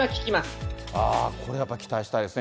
これやっぱ期待したいですね。